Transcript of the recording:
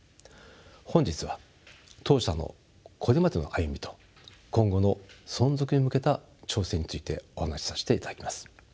本日は当社のこれまでの歩みと今後の存続へ向けた挑戦についてお話しさせていただきます。